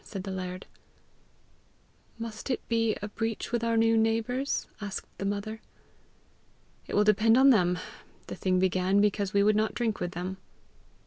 said the laird. "Must it be a breach with our new neighbours?" asked the mother. "It will depend on them. The thing began because we would not drink with them."